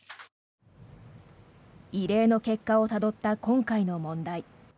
異例の結果をたどった今回の問題。